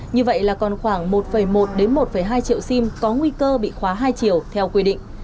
như vậy là còn khoảng một một hai triệu sim có nguy cơ bị khóa hai triệu theo quy định